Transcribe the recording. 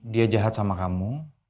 dia jahat sama kamu